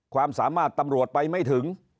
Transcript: ความสามารถตำรวจไปไม่ถึง